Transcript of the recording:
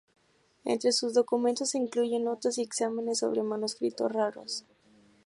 Entre sus documentos se incluyen notas y exámenes sobre manuscritos raros.